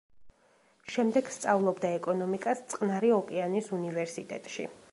შემდეგ სწავლობდა ეკონომიკას წყნარი ოკეანის უნივერსიტეტში.